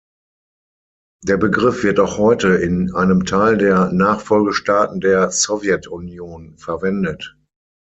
Der Begriff wird auch heute in einem Teil der Nachfolgestaaten der Sowjetunion verwendet.